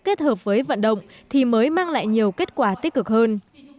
kết hợp với vận động thì mới mang lại nhiều kết quả tích cực hơn